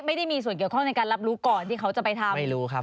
ไม่ได้มีส่วนเกี่ยวข้องในการรับรู้ก่อนที่เขาจะไปทำไม่รู้ครับ